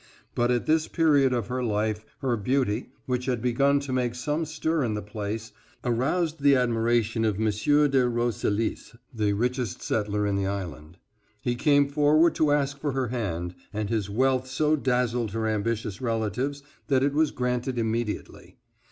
But at this period of her life her beauty, which had begun to make some stir in the place, aroused the admiration of M. de Roselis, the richest settler in the island. He came forward to ask for her hand, and his wealth so dazzled her ambitious relatives that it was granted immediately.